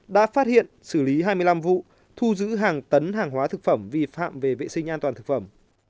đã phát hiện xử lý hai mươi năm vụ thu giữ hàng tấn hàng hóa thực phẩm vi phạm về vệ sinh an toàn thực phẩm